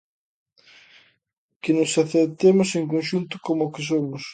Que nos aceptemos en conxunto, como o que somos.